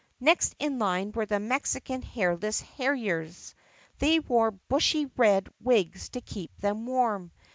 Next in line were the Mexican Hairless Harriers. They wore bushy red wigs to keep them warm.